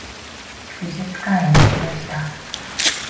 美術館へ行きました。